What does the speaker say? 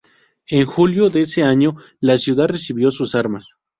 En julio de ese año, la ciudad recibió sus armas.